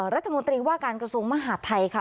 รัฐมนตรีว่าการกระทรวงมหาดไทยค่ะ